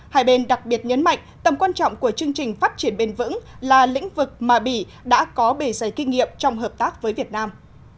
hai bên đặc biệt nhấn mạnh tầm quan trọng của chương trình phát triển bền vững là lĩnh vực mà bỉ đã có bề dày kinh nghiệm trong hợp tác với việt nam